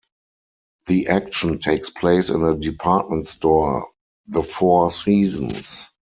The action takes place in a department store, The Four Seasons.